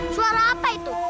suara apa itu